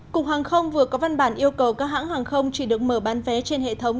cục hàng không vừa có văn bản yêu cầu các hãng hàng không chỉ được mở bán vé trên hệ thống